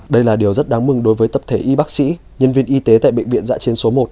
đây là điều rất đáng mừng đối với tập thể y bác sĩ nhân viên y tế tại bệnh viện giã chiến số một